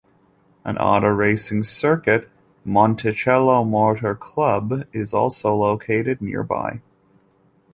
An auto racing circuit, Monticello Motor Club, is also located nearby.